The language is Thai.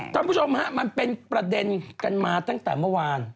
คุณผู้ชมฮะมันเป็นประเด็นกันมาตั้งแต่เมื่อวาน